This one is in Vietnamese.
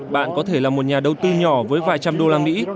bạn có thể là một nhà đầu tư nhỏ với vài trăm đô la mỹ